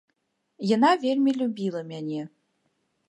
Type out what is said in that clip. Яна вельмі любіла мяне.